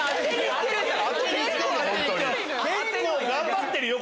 頑張ってるよ